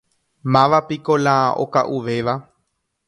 Mávapiko la oka'uvéva.